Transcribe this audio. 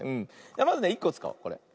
まずね１こつかおうこれ。